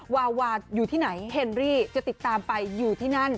วาวาอยู่ที่ไหนเฮนรี่จะติดตามไปอยู่ที่นั่น